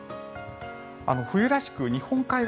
冬らしく日本海側